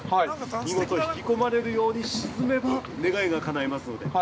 見事引き込まれるように沈めば願いがかないますので。